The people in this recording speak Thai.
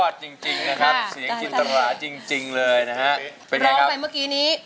ทุกวันคืน